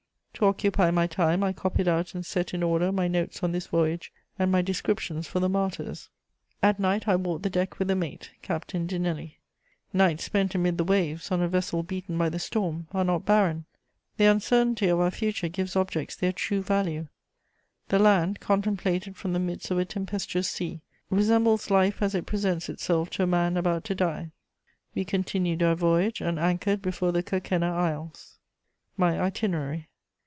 To occupy my time, I copied out and set in order my notes on this voyage and my descriptions for the Martyrs. At night, I walked the deck with the mate, Captain Dinelli. Nights spent amid the waves, on a vessel beaten by the storm, are not barren; the uncertainty of our future gives objects their true value: the land, contemplated from the midst of a tempestuous sea, resembles life as it presents itself to a man about to die." We continued our voyage and anchored before the Kerkenna Isles. MY ITINERARY.